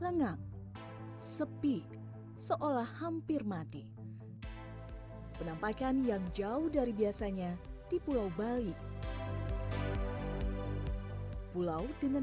lengang sepi seolah hampir mati penampakan yang jauh dari biasanya di pulau bali pulau dengan